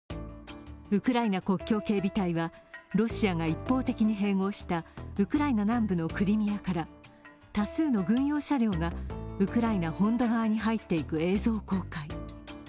ウクライナ国境警備隊は、ロシアが一方的に併合したウクライナ南部のクリミアから多数の軍用車両がウクライナ本土側に入っていく映像を公開。